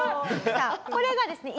さあこれがですね